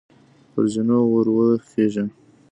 پر زینو وروخیژه !